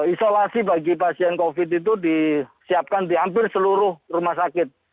isolasi bagi pasien covid itu disiapkan di hampir seluruh rumah sakit